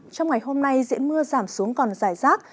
trong ngày hôm nay diện mưa giảm xuống còn dài rác